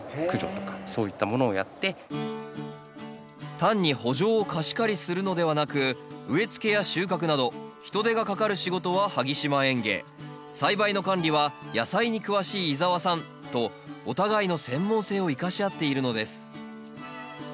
単に圃場を貸し借りするのではなく植えつけや収穫など人手がかかる仕事は萩島園芸栽培の管理は野菜に詳しい井沢さんとお互いの専門性を生かし合っているのです。